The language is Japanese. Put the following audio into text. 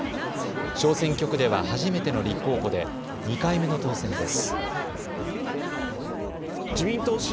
小選挙区では初めての立候補で２回目の当選です。